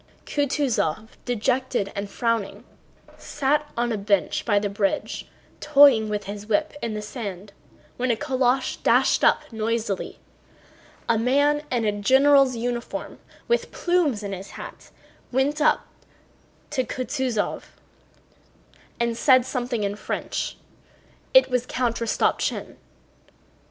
Kutúzov, dejected and frowning, sat on a bench by the bridge toying with his whip in the sand when a calèche dashed up noisily. A man in a general's uniform with plumes in his hat went up to Kutúzov and said something in French. It was Count Rostopchín.